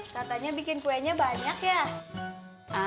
katanya bikin kuenya banyak ya